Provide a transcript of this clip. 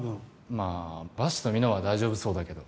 まあバシとみのは大丈夫そうだけど。